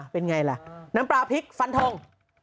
เป็นอย่างไรล่ะน้ำปลาพริกฟันทรง